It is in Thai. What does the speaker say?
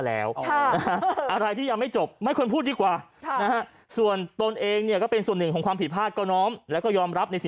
นั่นแหละพี่นั่นแหละพี่